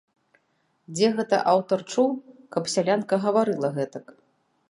Дзе гэта аўтар чуў, каб сялянка гаварыла гэтак?